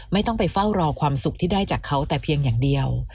ไม่ต้องไปเฝ้ารอความสุขที่ได้จากเขาแต่เพียงอย่างเดียว